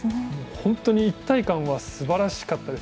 ホントに一体感はすばらしかったです。